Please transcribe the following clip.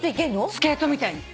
スケートみたいに。